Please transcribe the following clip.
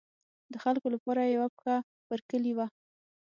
د خلکو لپاره یې یوه پښه پر کلي وه.